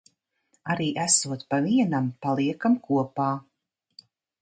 Arī esot pa vienam, paliekam kopā.